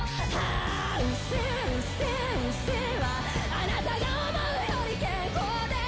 「あなたが思うより健康です」